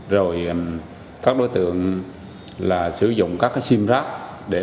rồi các đối tượng sử dụng các simrack